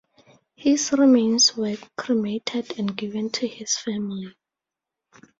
His remains were cremated and given to his family.